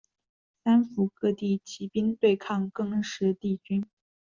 三辅各地起兵对抗更始帝军。